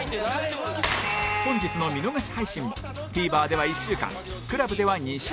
本日の見逃し配信も ＴＶｅｒ では１週間 ＣＬＵＢ では２週間